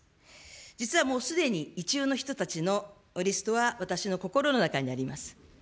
実はもうすでに、意中の人たちのリストは私の心の中にあります。